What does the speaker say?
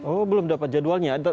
oh belum dapat jadwalnya